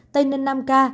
tây ninh năm ca